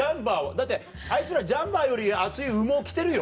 だってあいつらジャンパーより厚い羽毛着てるよ